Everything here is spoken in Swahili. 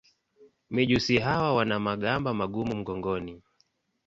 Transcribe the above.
Mijusi hawa wana magamba magumu mgongoni.